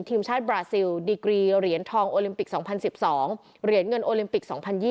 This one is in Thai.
ทีมชาติบราซิลดีกรีเหรียญทองโอลิมปิก๒๐๑๒เหรียญเงินโอลิมปิก๒๐๒๐